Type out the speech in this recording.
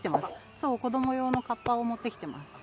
そう、子ども用のかっぱを持ってきてます。